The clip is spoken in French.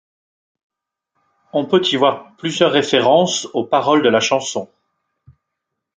On peut y voir plusieurs références aux paroles de la chanson.